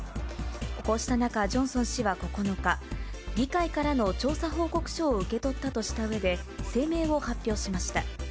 こうした中、ジョンソン氏は９日、議会からの調査報告書を受け取ったとしたうえで、声明を発表しました。